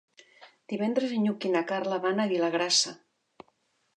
Divendres en Lluc i na Carla van a Vilagrassa.